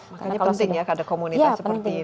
makanya penting ya ada komunitas seperti ini